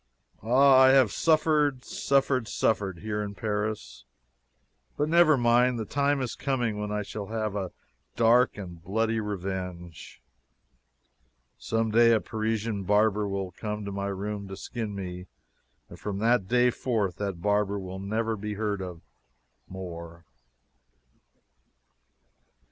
Ah, I have suffered, suffered, suffered, here in Paris, but never mind the time is coming when I shall have a dark and bloody revenge. Someday a Parisian barber will come to my room to skin me, and from that day forth that barber will never be heard of more.